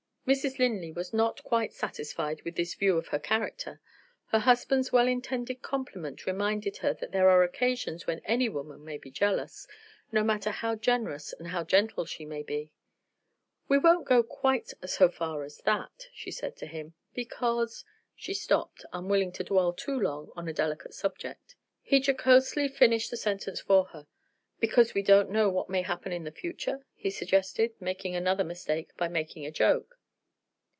Mrs. Linley was not quite satisfied with this view of her character. Her husband's well intended compliment reminded her that there are occasions when any woman may be jealous, no matter how generous and how gentle she may be. "We won't go quite so far as that," she said to him, "because " She stopped, unwilling to dwell too long on a delicate subject. He jocosely finished the sentence for her. "Because we don't know what may happen in the future?" he suggested; making another mistake by making a joke.